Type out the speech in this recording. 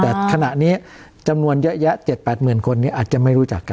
แต่ขณะนี้จำนวนเยอะแยะ๗๘หมื่นคนอาจจะไม่รู้จักกัน